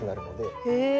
へえ。